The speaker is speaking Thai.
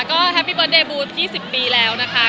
ก็แฮปปี้เบิร์เดบูธ๒๐ปีแล้วนะคะ